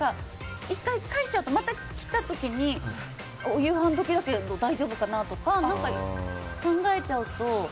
１回返しちゃうと、また来た時に夕飯時だけど大丈夫かな？とか何か考えちゃうと。